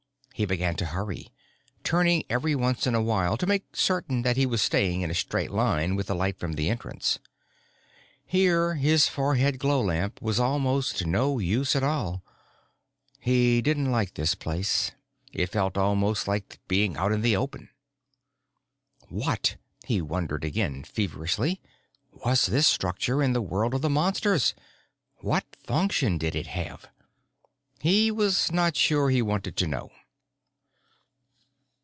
He began to hurry, turning every once in a while to make certain that he was staying in a straight line with the light from the entrance. Here, his forehead glow lamp was almost no use at all. He didn't like this place. It felt almost like being out in the open. What, he wondered again feverishly, was this structure in the world of the Monsters? What function did it have? He was not sure he wanted to know.